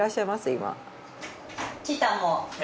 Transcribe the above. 今。